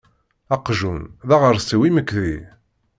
Aqjun d aɣersiw imekdi.